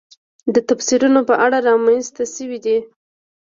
د تفسیرونو په اړه رامنځته شوې دي.